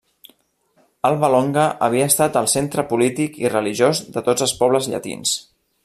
Alba Longa havia estat el centre polític i religiós de tots els pobles llatins.